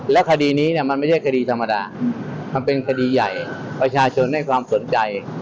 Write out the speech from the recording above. และคดีนี้เนี่ยมันไม่ใช่คดีธรรมดามันเป็นคดีใหญ่ประชาชนให้ความสนใจ